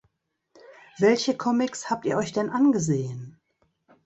Welche Comics hab ihr euch denn angesehen?